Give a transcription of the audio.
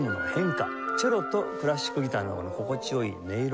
チェロとクラシックギターの心地良い音色。